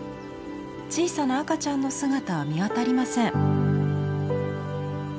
小さな赤ちゃんの姿は見当たりません。